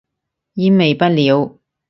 煙味不了